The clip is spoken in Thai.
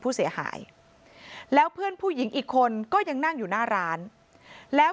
ผู้เสียหายแล้วเพื่อนผู้หญิงอีกคนก็ยังนั่งอยู่หน้าร้านแล้ว